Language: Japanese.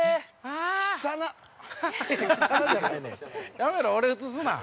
◆やめろ、俺映すな。